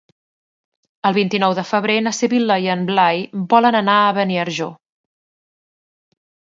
El vint-i-nou de febrer na Sibil·la i en Blai volen anar a Beniarjó.